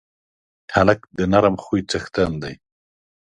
هلک د نرم خوی څښتن دی.